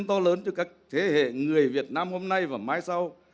to lớn cho các thế hệ người việt nam hôm nay và mai sau